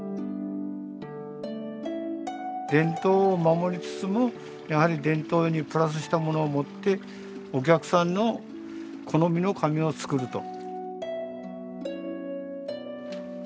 伝統を守りつつもやはり伝統にプラスしたものをもってお客さんの好みの紙を作ると。